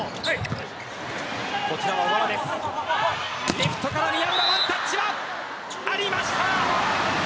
レフトから宮浦ワンタッチはありました。